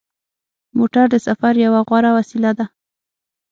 موټر د سفر یوه غوره وسیله ده.